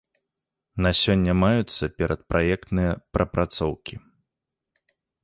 На сёння маюцца перадпраектныя прапрацоўкі.